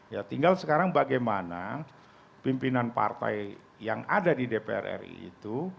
ya tinggal sekarang bagaimana pimpinan partai yang ada di dpr ri itu